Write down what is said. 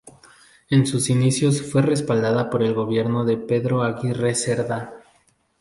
En sus inicios fue respaldada por el gobierno de Pedro Aguirre Cerda.